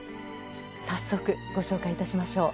早速ご紹介いたしましょう。